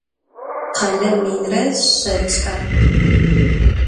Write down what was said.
Khele minre şeç're.